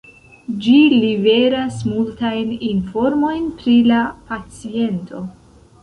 Ĝi liveras multajn informojn pri la paciento.